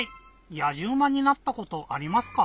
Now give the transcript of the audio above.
やじうまになったことありますか？